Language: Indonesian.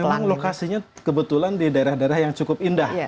memang lokasinya kebetulan di daerah daerah yang cukup indah